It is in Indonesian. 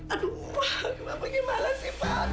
aduh gimana sih pak